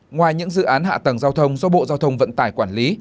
ngoài những dự án hạ tầng giao thông do bộ giao thông vận tải quản lý